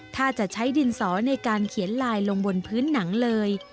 ถ้าจะใช้ดินสอในการเขียนลายลงบนพื้นหนังเลย